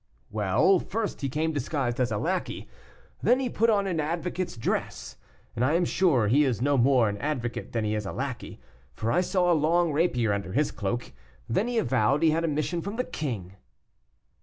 "Well! first he came disguised as a lackey, then he put on an advocate's dress, and I am sure he is no more an advocate than he is a lackey, for I saw a long rapier under his cloak. Then he avowed he had a mission from the king!"